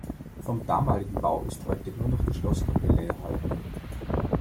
Vom damaligen Bau ist heute nur noch die Schlosskapelle erhalten.